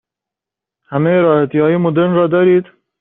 همه راحتی های مدرن را دارید؟